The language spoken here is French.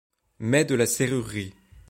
Met de la serrurerie